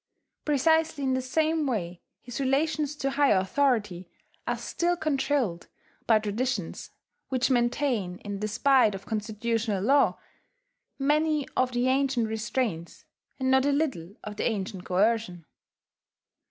Precisely in the same way, his relations to higher authority are still controlled by traditions which maintain, in despite of constitutional law, many of the ancient restraints, and not a little of the ancient coercion.